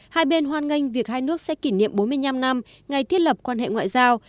hai bên hoan nghênh việc hai nước sẽ kỷ niệm bốn mươi năm năm ngày thiết lập quan hệ ngoại giao